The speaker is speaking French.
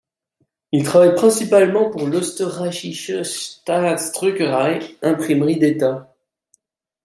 Il travaille principalement pour l'Österreichische Staatsdruckerei, imprimerie d'État.